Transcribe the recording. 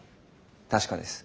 確かです。